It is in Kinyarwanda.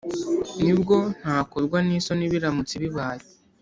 Ni bwo ntakorwa n isoni biramutse bibaye